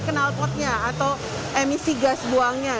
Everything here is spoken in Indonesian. kenalpotnya atau emisi gas buangnya